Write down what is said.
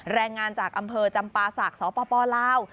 แรงงานจากอำเภอจำปาศักดิ์สปลาว